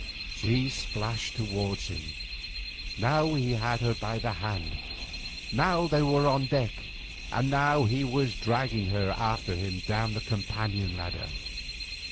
She splashed towards him; now he had her by the hand; now they were on the deck, and now he was dragging her after him down the companion ladder.